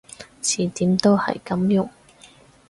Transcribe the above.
詞典都係噉用